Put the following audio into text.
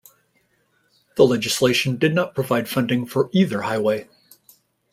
The legislation did not provide funding for either highway.